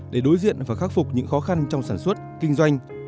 để đối diện và khắc phục những khó khăn trong sản xuất kinh doanh